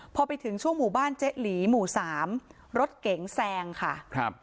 พอไปถึงช่วงหมู่บ้านเจ๊หลีหมู่สามรถเก๋งแซงค่ะครับ